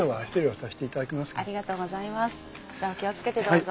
じゃお気を付けてどうぞ。